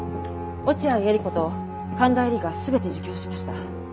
落合エリこと神田エリが全て自供しました。